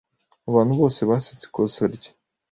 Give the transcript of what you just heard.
Abantu bose basetse ikosa rye.